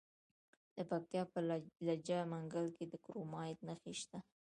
د پکتیا په لجه منګل کې د کرومایټ نښې شته.